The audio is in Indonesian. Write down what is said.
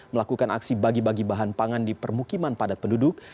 melakukan aksi bagi bagi bahan pangan di permukiman padat penduduk